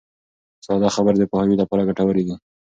ساده خبرې د پوهاوي لپاره ګټورې دي.